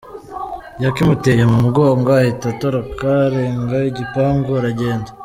Yakimuteye mu mugongo ahita atoroka, arenga igipangu aragenda.